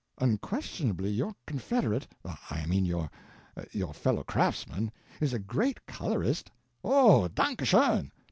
"Unquestionably your confederate—I mean your—your fellow craftsman—is a great colorist—" "Oh, danke schön!